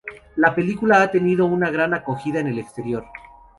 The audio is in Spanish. La película ha tenido una gran acogida en el exterior.